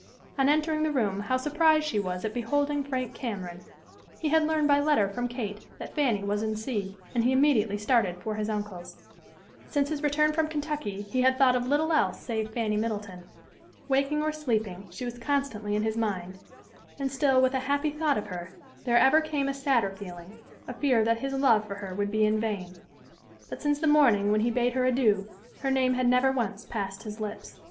On entering the room how surprised she was at beholding Frank Cameron. He had learned by letter from Kate that Fanny was in C——, and he immediately started for his uncle's. Since his return from Kentucky he had thoughts of little else save Fanny Middleton. Waking or sleeping, she was constantly in his mind, and still with a happy thought of her there ever came a sadder feeling, a fear that his love for her would be in vain. But since the morning when he bade her adieu, her name had never once passed his lips.